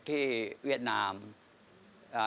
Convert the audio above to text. พร้อมไหมครับ